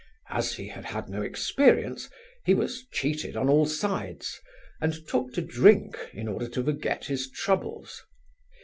As he had had no experience, he was cheated on all sides, and took to drink in order to forget his troubles.